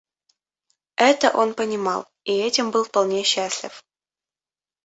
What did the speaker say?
Это он понимал и этим был вполне счастлив.